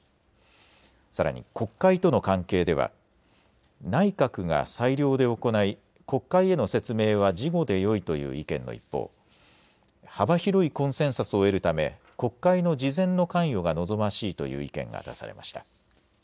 さらに国会との関係では内閣が裁量で行い国会への説明は事後でよいという意見の一方、幅広いコンセンサスを得るため国会の事前の関与が望ましいという意見が出されました。